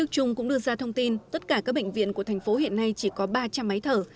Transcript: theo thông tin tất cả các bệnh viện của thành phố hiện nay chỉ có ba trăm linh máy thở